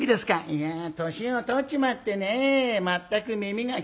「いや年を取っちまってねぇ全く耳が聞こえない」。